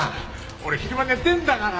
俺昼間寝てるんだから。